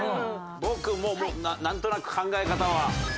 僕ももうなんとなく考え方は。